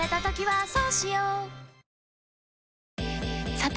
さて！